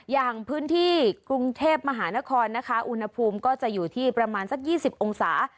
อย่างพื้นที่กรุงเทพมหานครนะคะอุณหภูมิก็จะอยู่ที่ประมาณสัก๒๐องศา